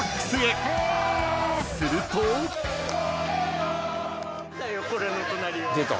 ［すると］出た。